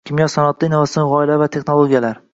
Kimyo sanoatida innovatsion g’oyalar va texnologiyalar